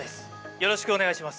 よろしくお願いします